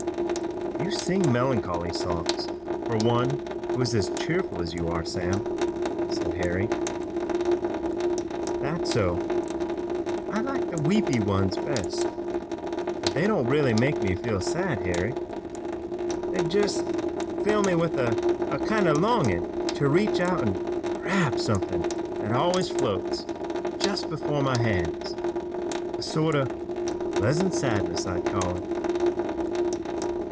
"You sing melancholy songs for one who is as cheerful as you are, Sam," said Harry. "That's so. I like the weepy ones best. But they don't really make me feel sad, Harry. They jest fill me with a kind o' longin' to reach out an' grab somethin' that always floats jest before my hands. A sort o' pleasant sadness I'd call it.